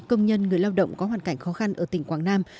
công nhân người lao động có hoàn cảnh khó khăn ở tỉnh quảng nam